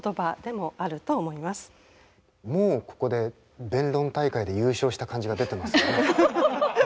もうここで弁論大会で優勝した感じが出てますね。